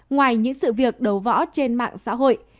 ngoài những sự việc đầu võ trên mạng xã hội